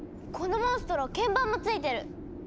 このモンストロ鍵盤もついてる。